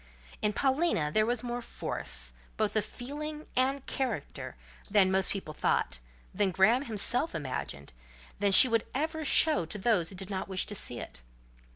In Paulina there was more force, both of feeling and character; than most people thought—than Graham himself imagined—than she would ever show to those who did not wish to see it.